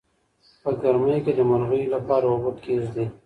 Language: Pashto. په ګرمۍ کې د مرغیو لپاره اوبه کیږدئ.